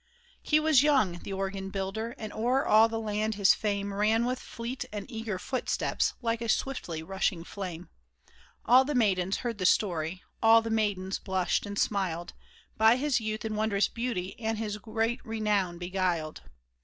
He was young, the Organ Builder, and o'er all the land his fame Ran with fleet and eager footsteps, like a swiftly rushing flame. All the maidens heard the story ; all the maidens blushed and smiled, By his youth and wondrous beauty and his great renown be guiled.